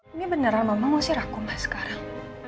ini beneran mama ngusir aku ma sekarang